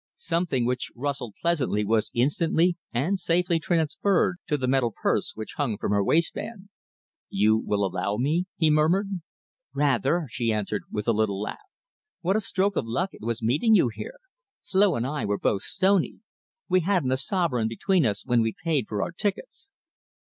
Something which rustled pleasantly was instantly and safely transferred to the metal purse which hung from her waistband. "You will allow me?" he murmured. "Rather," she answered, with a little laugh. "What a stroke of luck it was meeting you here! Flo and I were both stony. We hadn't a sovereign between us when we'd paid for our tickets."